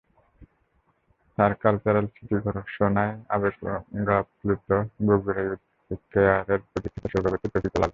SAARC cultural city ঘোষণায় আবেগাপ্লুত Bogura youth কয়্যারের প্রতিষ্ঠাতা সভাপতি তৌফিকুল আলম।